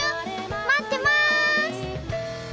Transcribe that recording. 待ってます！